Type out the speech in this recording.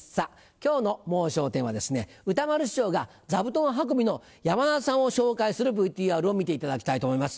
今日の『もう笑点』はですね歌丸師匠が座布団運びの山田さんを紹介するＶＴＲを見ていただきたいと思います。